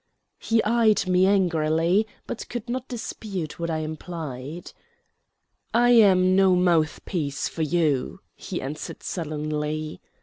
He eyed me angrily, but could not dispute what I implied. "I am no mouthpiece for you," he answered sullenly.